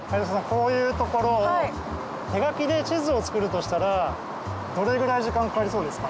こういう所を手描きで地図を作るとしたらどれぐらい時間かかりそうですか？